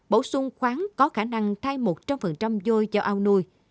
bổ sung khoáng có khả năng thay một trăm linh vôi cho ao nuôi